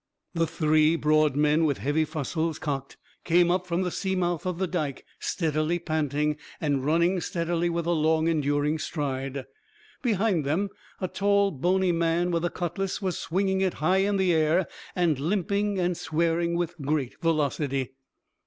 The three broad men, with heavy fusils cocked, came up from the sea mouth of the Dike, steadily panting, and running steadily with a long enduring stride. Behind them a tall bony man with a cutlass was swinging it high in the air, and limping, and swearing with great velocity.